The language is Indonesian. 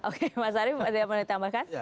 oke mas arief ada yang mau ditambahkan